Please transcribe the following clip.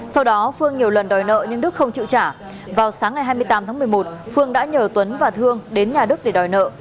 sau đó phương nhiều lần đòi nợ nhưng đức không chịu trả vào sáng ngày hai mươi tám tháng một mươi một phương đã nhờ tuấn và thương đến nhà đức để đòi nợ